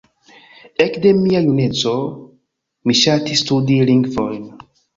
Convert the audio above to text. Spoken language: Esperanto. Ekde mia juneco, mi ŝatis studi lingvojn.